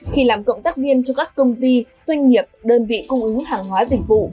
khi làm cộng tác viên cho các công ty doanh nghiệp đơn vị cung ứng hàng hóa dịch vụ